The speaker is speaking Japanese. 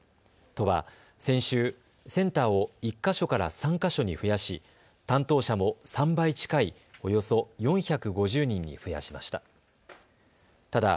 都は先週、センターを１か所から３か所に増やし担当者も３倍近いおよそ４５０人に増やしました。